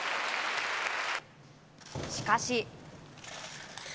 しかし。